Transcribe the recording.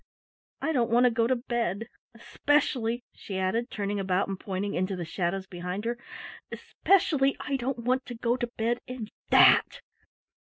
I don't want to go to bed. Especially" she added, turning about and pointing into the shadows behind her "especially I don't want to go to bed in that!"